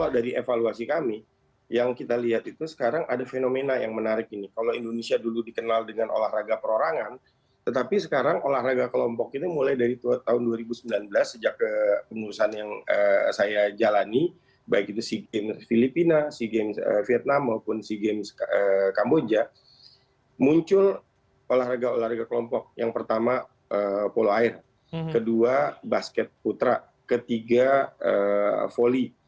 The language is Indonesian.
di kamboja muncul olahraga olahraga kelompok yang pertama polo air kedua basket putra ketiga foli